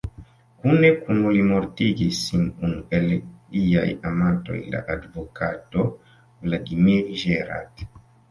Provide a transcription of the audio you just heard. Kune kun li mortigis sin unu el liaj amantoj, la advokato Vladimir Gerard.